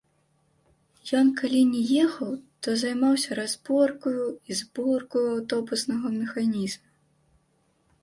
Ён калі не ехаў, то займаўся разборкаю і зборкаю аўтобуснага механізма.